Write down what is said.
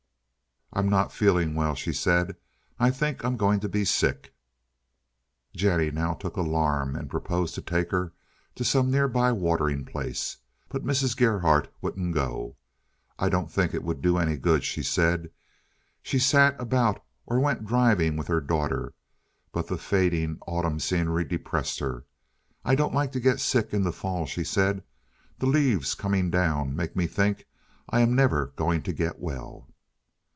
"I'm not feeling well," she said. "I think I'm going to be sick." Jennie now took alarm and proposed to take her to some near by watering place, but Mrs. Gerhardt wouldn't go. "I don't think it would do any good," she said. She sat about or went driving with her daughter, but the fading autumn scenery depressed her. "I don't like to get sick in the fall," she said. "The leaves coming down make me think I am never going to get well."